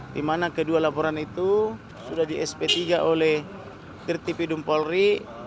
dimana kedua laporan itu sudah di sp tiga oleh tirtipi dumpolri